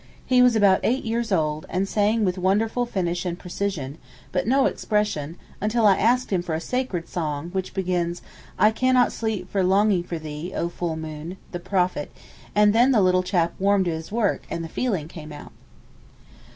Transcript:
He was about eight years old, and sang with wonderful finish and precision, but no expression, until I asked him for a sacred song, which begins, 'I cannot sleep for longing for thee, O Full Moon' (the Prophet), and then the little chap warmed to his work, and the feeling came out.